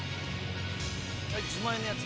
あれ自前のやつ？